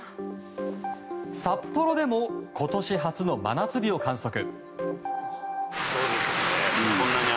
札幌でも今年初の真夏日を観測。